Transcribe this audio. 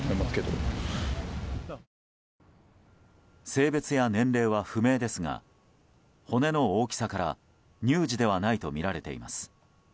性別や年齢は不明ですが骨の大きさから乳児ではないとみられています。